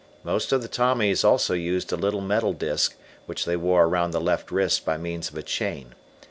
Most of the Tommies also used a little metal disk which they wore around the left wrist by means of a chain.